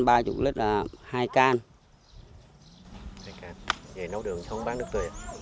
vậy nâu đường chứ không bán nước tuyệt